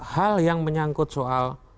hal yang menyangkut soal